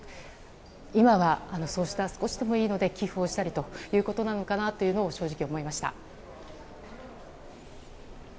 今は、そうした少しでもいいので寄付をしたりということなのかなと正直、思いました。